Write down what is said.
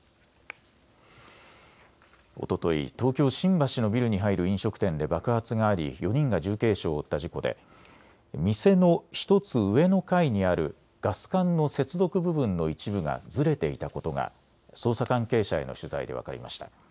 おととい、東京新橋のビルに入る飲食店で爆発があり４人が重軽傷を負った事故で店の１つ上の階にあるガス管の接続部分の一部がずれていたことが捜査関係者への取材で分かりました。